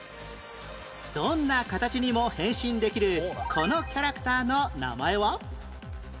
どんな形にも変身できるこのキャラクターの名前は？